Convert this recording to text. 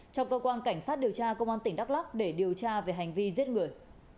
cho cơ quan cảnh sát điều tra công an tỉnh đắk lóc để điều tra về hành vi giết người